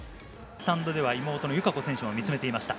スタンドでは妹の友香子選手も見つめていました。